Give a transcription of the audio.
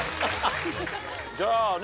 じゃあね